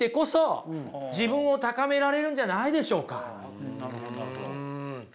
でもねなるほどなるほど。